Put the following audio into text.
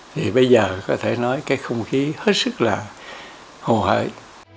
thì bây giờ có thể nói cái không khí hết sức là hồ hời